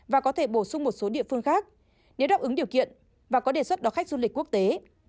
và có thể bổ sung một số địa phương khác nếu đáp ứng điều kiện và có đề xuất đón khách du lịch quốc tế